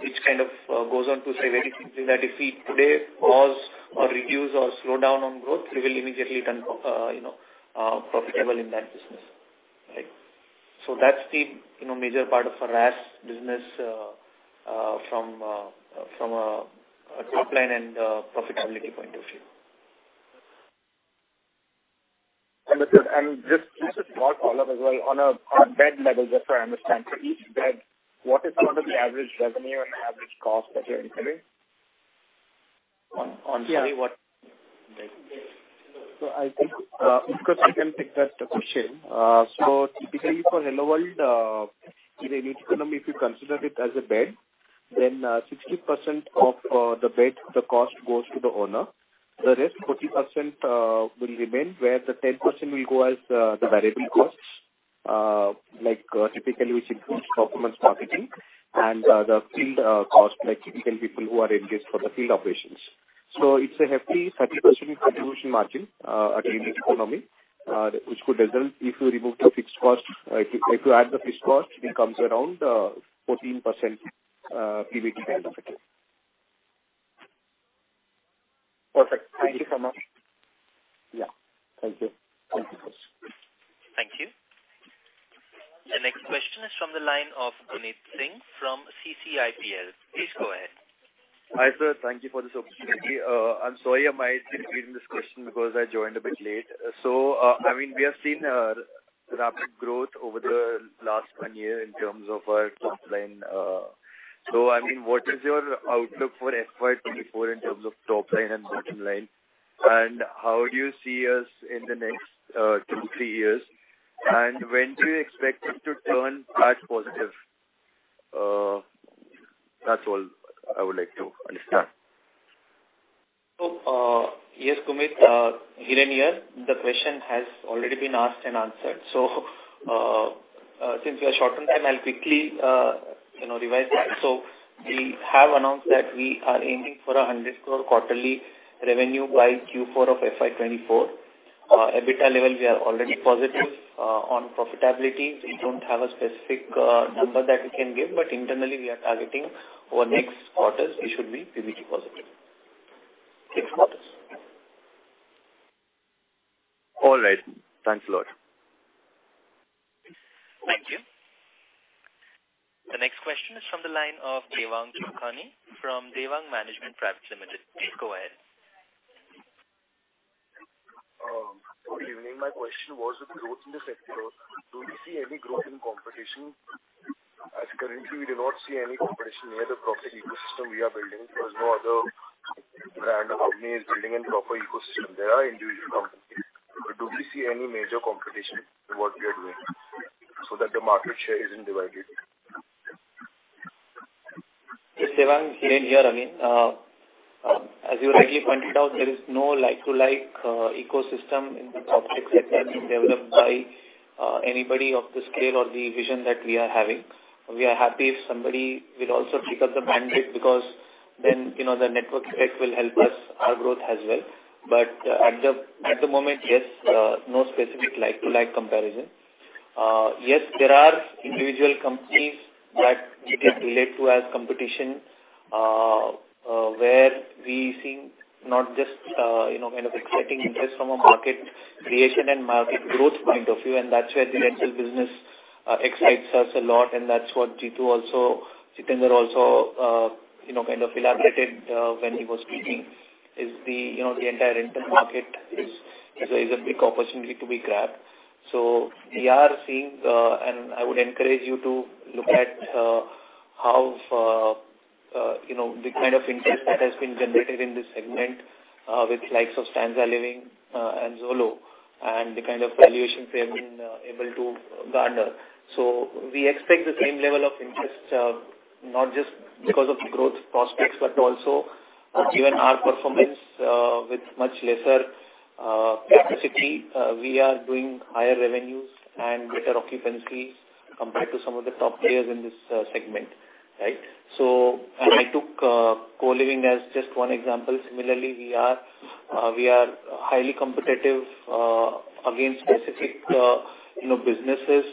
Which kind of goes on to say very simply that if we today pause or reduce or slow down on growth, we will immediately turn, you know, profitable in that business, right? That's the, you know, major part of our RaaS business from a top line and profitability point of view. Just to talk all of as well, on a bed level, just so I understand. Each bed, what is some of the average revenue and average cost that you're incurring? On daily what. I think, of course, I can take that question. Typically for HelloWorld, in an economy, if you consider it as a bed, then, 60% of the bed, the cost goes to the owner. The rest, 40%, will remain, where the 10% will go as the variable costs, like typically, which includes documents marketing and the field costs, like people who are engaged for the field operations. It's a hefty 30% contribution margin, at an economy, which could result if you remove the fixed cost. If you add the fixed cost, it comes around 14% PBT benefit. Perfect. Thank you so much. Yeah. Thank you. Thank you. Thank you. The next question is from the line of Guneet Singh from CCIPL. Please go ahead. Hi, sir. Thank you for this opportunity. I'm sorry, I might be repeating this question because I joined a bit late. I mean, we have seen rapid growth over the last 1 year in terms of our top line. I mean, what is your outlook for FY 2024 in terms of top line and bottom line? How do you see us in the next two, three years? When do you expect them to turn part positive? That's all I would like to understand. Yes, Guneet, Hiren here. The question has already been asked and answered. Since we are short on time, I'll quickly, you know, revise that. We have announced that we are aiming for 100 crore quarterly revenue by Q4 of FY 2024. EBITDA level, we are already positive. On profitability, we don't have a specific number that we can give, but internally we are targeting our next quarters, it should be PBT positive. Next quarters. All right. Thanks a lot. Thank you. The next question is from the line of Devang Lakhani from Devang Management Private Limited. Please go ahead. Good evening. My question was with growth in the sector, do we see any growth in competition? Currently, we do not see any competition near the PropTech ecosystem we are building. There is no other brand or company is building a proper ecosystem. There are individual companies. Do we see any major competition in what we are doing so that the market share isn't divided? Yes, Devang, Hiren here, I mean. As you rightly pointed out, there is no like-to-like ecosystem in the PropTech sector being developed by anybody of the scale or the vision that we are having. We are happy if somebody will also pick up the mandate, because then, you know, the network effect will help us, our growth as well. At the moment, yes, no specific like-to-like comparison. Yes, there are individual companies that we can relate to as competition, where we see not just, you know, kind of exciting interest from a market creation and market growth point of view, and that's where the rental business excites us a lot, and that's what Jeetu also, Jitendra also, you know, kind of elaborated when he was speaking, is the, you know, the entire rental market is a, is a big opportunity to be grabbed. We are seeing, and I would encourage you to look at how, you know, the kind of interest that has been generated in this segment with likes of Stanza Living and Zolo, and the kind of valuations they have been able to garner. We expect the same level of interest, not just because of the growth prospects, but also given our performance, with much lesser capacity. We are doing higher revenues and better occupancies compared to some of the top players in this segment, right? I took co-living as just one example. Similarly, we are highly competitive against specific, you know, businesses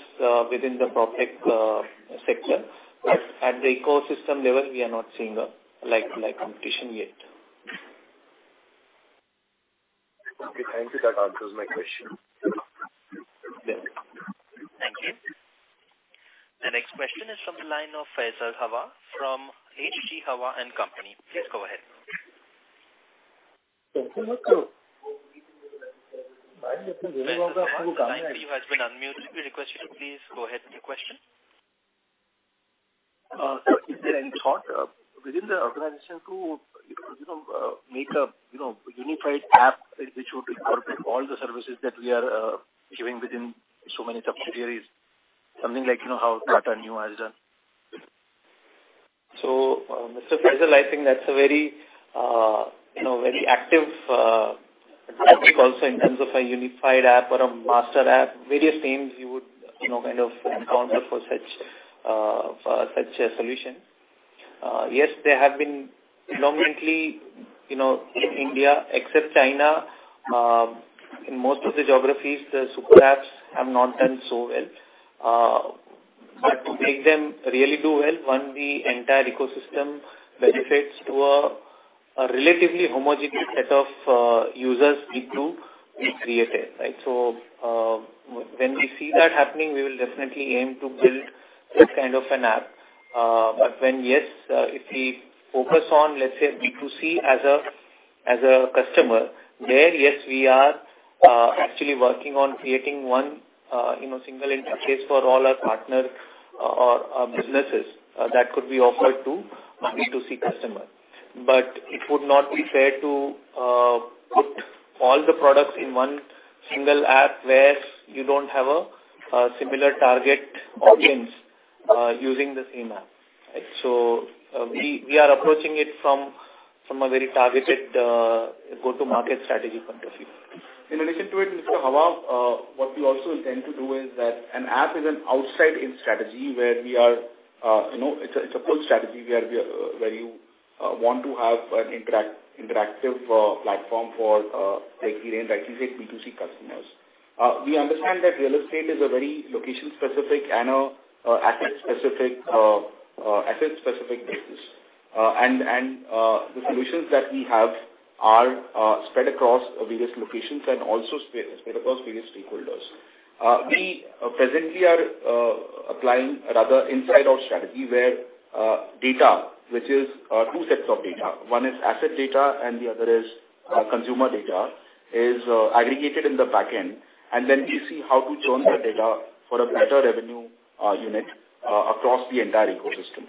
within the PropTech sector. At the ecosystem level, we are not seeing a like competition yet. Okay, thank you. That answers my question. Yes. The next question is from the line of Faisal Hawa from HG Hawa and Company. Please go ahead. Your line for you has been unmuted. We request you to please go ahead with your question. Is there any thought within the organization to, you know, make a, you know, unified app which would incorporate all the services that we are giving within so many subsidiaries? Something like, you know, how Tata Neu has done. Mr. Faisal, I think that's a very, you know, very active topic also in terms of a unified app or a master app. Various names you would, you know, kind of encounter for such for such a solution. Yes, there have been predominantly, you know, in India, except China, in most of the geographies, the super apps have not done so well. But to make them really do well, one, the entire ecosystem benefits to a relatively homogeneous set of users need to be created, right? When we see that happening, we will definitely aim to build that kind of an app. When, yes, if we focus on, let's say, B2C as a, as a customer, there, yes, we are actually working on creating one, you know, single interface for all our partner or businesses, that could be offered to B2C customer. It would not be fair to put all the products in one single app where you don't have a similar target audience using the same app, right? We are approaching it from a very targeted, go-to-market strategy point of view. In addition to it, Mr. Hawa, what we also intend to do is that an app is an outside-in strategy, where we are, you know, it's a full strategy where you want to have an interactive platform for, like you said, B2C customers. We understand that real estate is a very location-specific and a asset-specific business. The solutions that we have are spread across various locations and also spread across various stakeholders. Applying a rather inside-out strategy, where data, which is two sets of data, one is asset data and the other is consumer data, is aggregated in the back end, and then we see how to join the data for a better revenue unit across the entire ecosystem.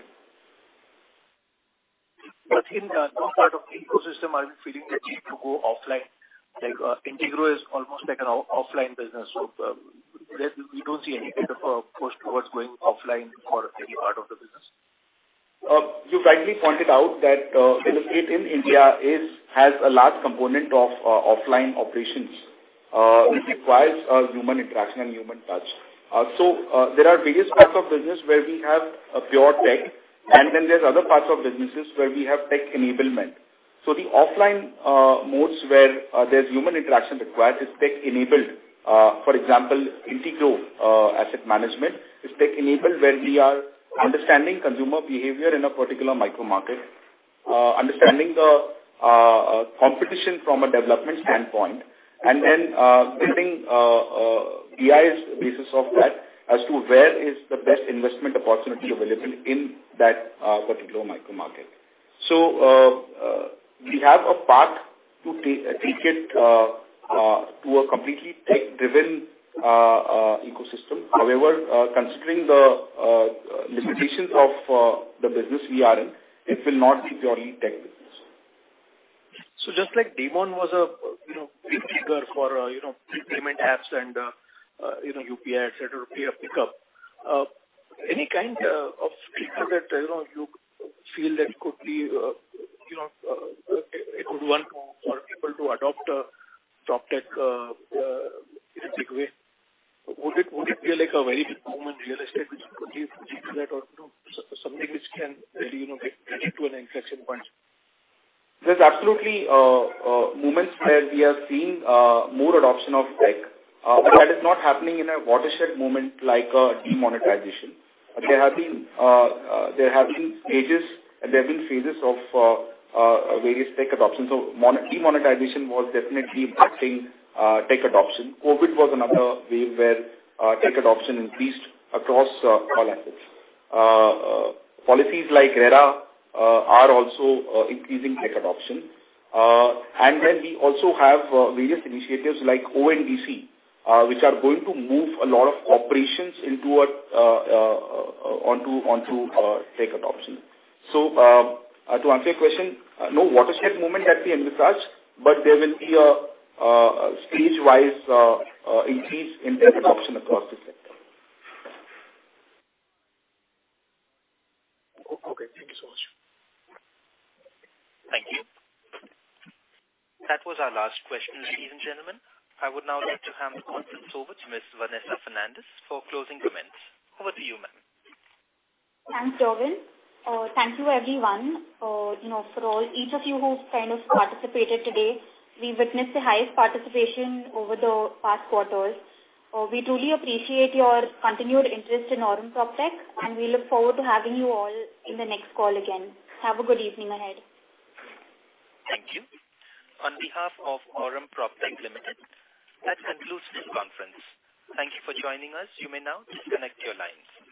In some part of the ecosystem, are you feeling the need to go offline? Like, Integrow is almost like an offline business. We don't see any kind of push towards going offline for any part of the business. You rightly pointed out that real estate in India is, has a large component of offline operations, which requires human interaction and human touch. There are various parts of business where we have a pure tech, and then there's other parts of businesses where we have tech enablement. The offline modes where there's human interaction required, is tech-enabled. For example, Integrow Asset Management is tech-enabled, where we are understanding consumer behavior in a particular micro market, understanding the competition from a development standpoint, and then building BIs basis of that as to where is the best investment opportunity available in that particular micro market. We have a path to take it to a completely tech-driven ecosystem. Considering the limitations of the business we are in, it will not be purely tech business. Just like demon was a, you know, big figure for, you know, prepayment apps and, you know, UPI, et cetera, pay or pickup. Any kind of figure that, you know, you feel that could be, you know, a good one for people to adopt PropTech in a big way? Would it be, like, a very big moment in real estate, which could lead to that or, you know, something which can really, you know, get it to an inflection point? There's absolutely moments where we are seeing more adoption of tech. That is not happening in a watershed moment like demonetization. There have been stages, there have been phases of various tech adoptions. Demonetization was definitely impacting tech adoption. COVID was another wave where tech adoption increased across all assets. Policies like RERA are also increasing tech adoption. We also have various initiatives like ONDC which are going to move a lot of operations onto tech adoption. To answer your question, no watershed moment has been envisaged, but there will be a stage-wise increase in tech adoption across the sector. Okay. Thank you so much. Thank you. That was our last question, ladies and gentlemen. I would now like to hand the conference over to Ms. Vanessa Fernandes for closing comments. Over to you, ma'am. Thanks, Robin. Thank you, everyone, you know, for all, each of you who kind of participated today. We witnessed the highest participation over the past quarters. We truly appreciate your continued interest in Aurum PropTech, and we look forward to having you all in the next call again. Have a good evening ahead. Thank you. On behalf of Aurum PropTech Limited, that concludes the conference. Thank you for joining us. You may now disconnect your lines.